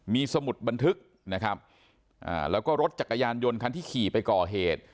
มีสมุดบันทึกนะครับแล้วก็รถจักรยานยนต์คันที่ขี่ไปก่อเหตุ